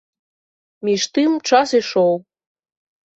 Між тым, час ішоў.